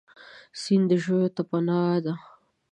سیند ژویو ته پناه ده.